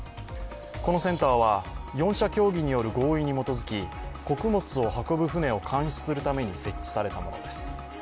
このセンターは、４者協議による合意に基づき、穀物を運ぶ船を監視するために設置されたものです。